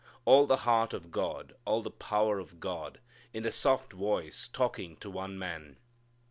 All the heart of God, all the power of God, in the soft voice talking to one man.